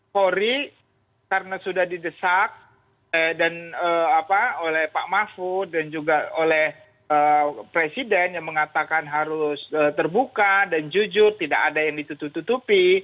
polri karena sudah didesak oleh pak mahfud dan juga oleh presiden yang mengatakan harus terbuka dan jujur tidak ada yang ditutup tutupi